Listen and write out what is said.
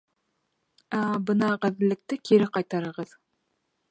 Ә бына ғәҙеллекте кире ҡайтарығыҙ.